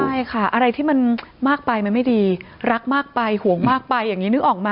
ใช่ค่ะอะไรที่มันมากไปมันไม่ดีรักมากไปห่วงมากไปอย่างนี้นึกออกไหม